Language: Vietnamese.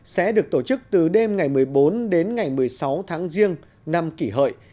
sẽ được tổ chức từ đêm ngày một mươi bốn đến ngày một mươi sáu tháng riêng năm kỷ hợi